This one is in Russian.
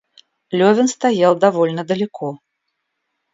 Левин стоял довольно далеко.